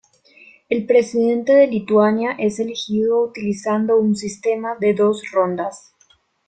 El presidente de Lituania es elegido utilizando un sistema de dos rondas.